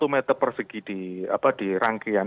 satu meter persegi di rangkaian